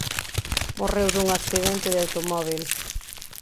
Morreu dun accidente de automóbil.